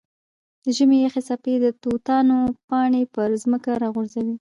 د ژمي یخې څپې د توتانو پاڼې پر ځمکه راغورځوي.